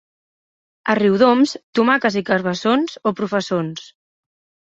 A Riudoms, tomaques i carabassons o professons.